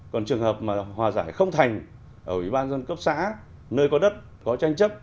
còn trường hợp mà hòa giải không thành ở ủy ban dân cấp xã nơi có đất có tranh chấp